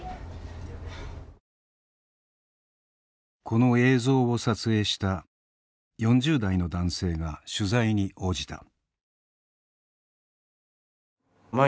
この映像を撮影した４０代の男性が取材に応じた。